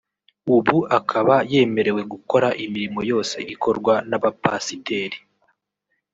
ubu akaba yemerewe gukora imirimo yose ikorwa n’abapasiteri